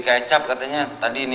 pihak jadi seperti kayak hot hair ini